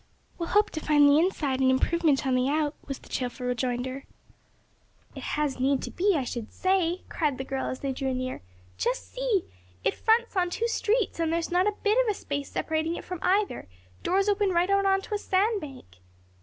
"We'll hope to find the inside an improvement on the out," was the cheerful rejoinder. "It has need to be, I should say!" cried the girl as they drew near. "Just see! it fronts on two streets and there's not a bit of a space separating it from either; doors open right out on to a sand bank."